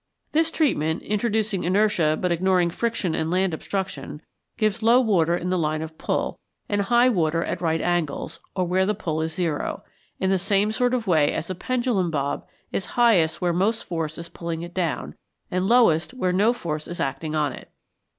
This treatment, introducing inertia but ignoring friction and land obstruction, gives low water in the line of pull, and high water at right angles, or where the pull is zero; in the same sort of way as a pendulum bob is highest where most force is pulling it down, and lowest where no force is acting on it.